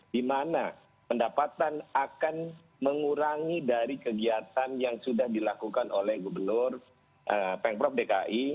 di mana pendapatan akan mengurangi dari kegiatan yang sudah dilakukan oleh gubernur pengprof dki